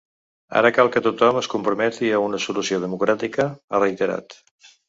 “Ara cal que tothom es comprometi a una solució democràtica”, ha reiterat.